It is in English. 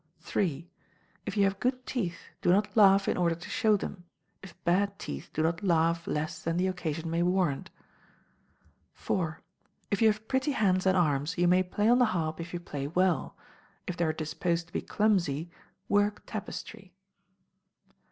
iii. If you have good teeth, do not laugh in order to show them: if bad teeth do not laugh less than the occasion may warrant. iv. If you have pretty hands and arms, you may play on the harp if you play well: if they are disposed to be clumsy, work tapestry.